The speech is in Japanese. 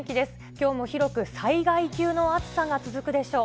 きょうも広く災害級の暑さが続くでしょう。